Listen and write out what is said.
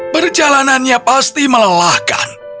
perjalanannya pasti melelahkan